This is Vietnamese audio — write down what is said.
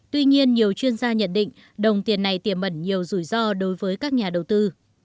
tuy nhiên nhiều chuyên gia nhận định đồng tiền này tiềm mẩn nhiều rủi ro đối với các nhà đầu tư